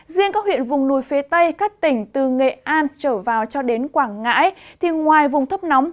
riêng các huyện vùng núi phía tây các tỉnh từ nghệ an trở vào cho đến quảng ngãi thì ngoài vùng thấp nóng